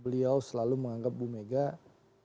beliau selalu menganggap bu megawa